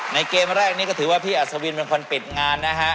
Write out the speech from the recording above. เกมแรกนี้ก็ถือว่าพี่อัศวินเป็นคนปิดงานนะฮะ